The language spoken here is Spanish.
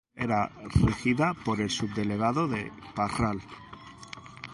Era regida por el Subdelegado de Parral.